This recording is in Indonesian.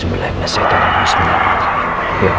terima kasih ganjeng sultan